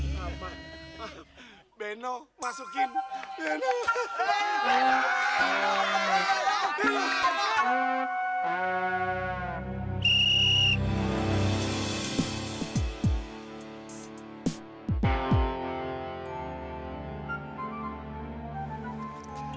kok kita berdua gak dapat kartu kuning sama sid